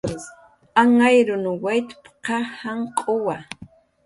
"Anhariyun waytp""qa janq'uwa"